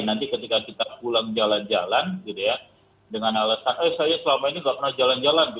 nanti ketika kita pulang jalan jalan gitu ya dengan alasan eh saya selama ini nggak pernah jalan jalan